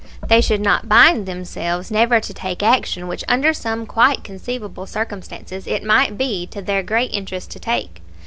They should not bind themselves never to take action which under some quite conceivable circumstances it might be to their great interest to take.